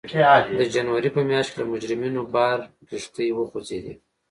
د جنورۍ په میاشت کې له مجرمینو بار کښتۍ وخوځېدې.